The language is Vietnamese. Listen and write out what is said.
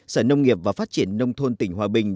sở nông nghiệp và phát triển nông thôn tỉnh hòa bình